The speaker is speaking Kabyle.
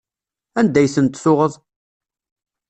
Anda ay tent-tuɣeḍ?